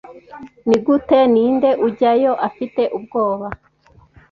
Nigute ninde ujyayo afite ubwoba